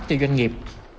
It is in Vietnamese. cho doanh nghiệp